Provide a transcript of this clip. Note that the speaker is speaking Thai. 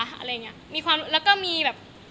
อะไรอย่างเงี้ยมีความรู้สึกเราก็มีแบบ